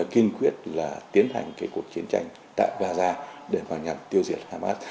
kiên quyết là tiến hành cái cuộc chiến tranh tại gaza để vào nhằm tiêu diệt hamas